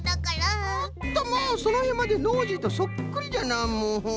ホントもうそのへんまでノージーとそっくりじゃなもう。